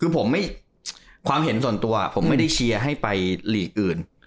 ผมไม่ได้เชียร์ให้ไปลีกอื่น